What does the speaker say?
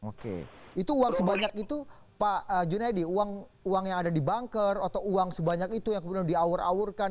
oke itu uang sebanyak itu pak junaidi uang yang ada di banker atau uang sebanyak itu yang kemudian diaur aurkan